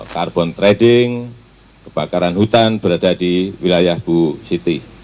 karbon trading kebakaran hutan berada di wilayah ibu siti